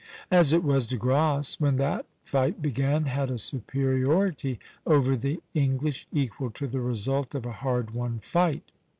As it was, De Grasse, when that fight began, had a superiority over the English equal to the result of a hard won fight.